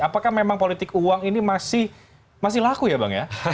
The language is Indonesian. apakah memang politik uang ini masih laku ya bang ya